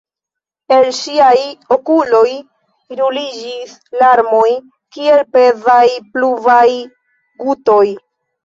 El ŝiaj okuloj ruliĝis larmoj kiel pezaj pluvaj gutoj.